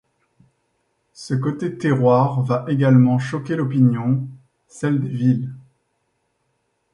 Ce côté terroir va également choquer l'opinion, celle des villes.